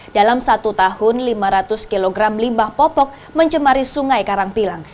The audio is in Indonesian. dalam satu tahun lima ratus kg limbah popok mencemari sungai karangpilang